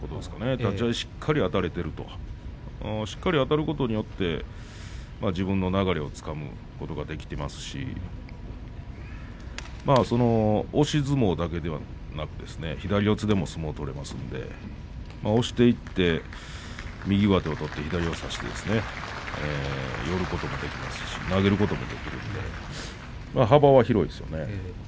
立ち合いしっかりあたれているとしっかりあたることによって自分の流れをつかむことができていますし押し相撲だけではなくて左四つでも相撲が取れますので押していって右上手を取って左を差して寄ることもできますし投げることもできるので幅は広いですよね。